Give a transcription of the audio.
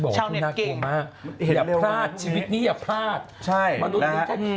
ใช่บอกเช่นนี้หน้ากลัวมาก